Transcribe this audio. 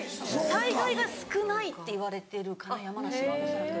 災害が少ないっていわれてるかな山梨は恐らく。